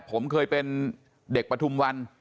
ผมเคยเป็นเด็กปฐุมวัน